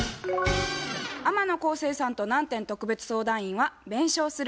天野浩成さんと南天特別相談員は「弁償する」